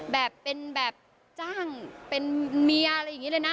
แบบเป็นแบบจ้างเป็นเมียอะไรอย่างนี้เลยนะ